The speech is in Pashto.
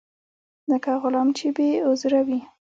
لکه غلام چې بې عذره وي.